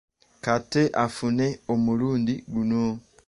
Katte anfune omulundi guno!